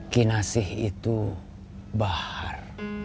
kinasih itu bahar